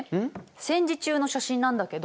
戦時中の写真なんだけど。